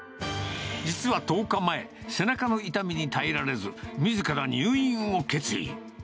実は１０日前、背中の痛みに耐えられず、みずから入院を決意。